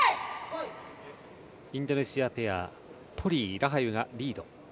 インドネシアペアポリイ、ラハユがリード。